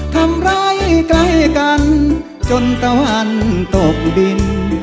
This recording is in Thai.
ทำไร้ไกลกันจนตะวันตกดี